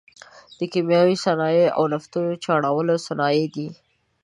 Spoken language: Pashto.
د کیمیاوي صنایعو او نفتو چاڼولو صنایع دي.